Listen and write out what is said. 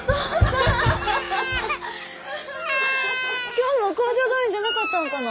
今日も工場動員じゃなかったんかな？